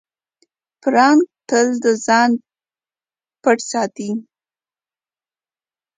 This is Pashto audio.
پړانګ تل د ځان پټ ساتي.